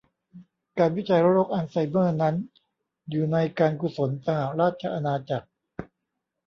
การวิจัยโรคอัลไซเมอร์นั้นอยู่ในการกุศลสหราชอาณาจักร